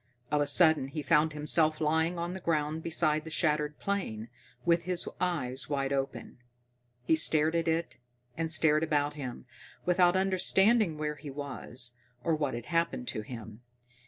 Of a sudden he found himself lying on the ground beside the shattered plane, with his eyes wide open. He stared at it, and stared about him, without understanding where he was, or what had happened to him.